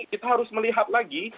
kita harus melihat lagi